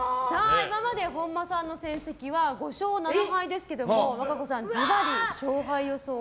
今まで本間さんの戦績は５勝７敗ですけど和歌子さん、ずばり勝敗予想は？